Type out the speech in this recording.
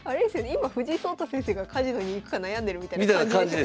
今藤井聡太先生がカジノに行くか悩んでるみたいな感じですよね